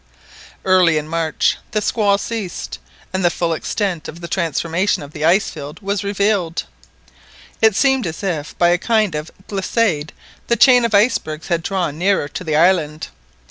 Early in March the squall ceased, and the full extent of the transformation of the ice field was revealed. It seemed as if by a kind of glissade the chain of icebergs had drawn nearer to the island.